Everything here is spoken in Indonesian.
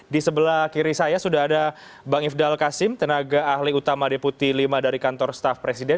di sebelah kiri saya sudah ada bang ifdal kasim tenaga ahli utama deputi lima dari kantor staff presiden